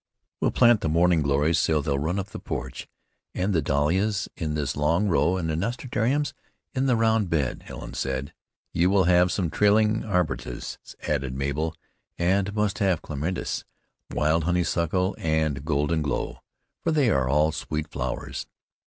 "We'll plant the morning glories so they'll run up the porch, and the dahlias in this long row and the nasturtiums in this round bed," Helen said. "You have some trailing arbutus," added Mabel, "and must have clematis, wild honeysuckle and golden glow, for they are all sweet flowers."